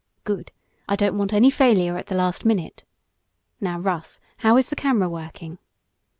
"Good! I don't want any failure at the last minute. Now, Russ, how is the camera working?"